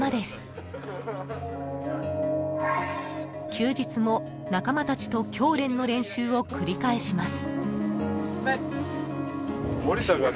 ［休日も仲間たちと教練の練習を繰り返します］